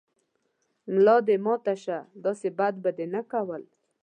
ملا دې ماته شۀ، داسې بد به دې نه کول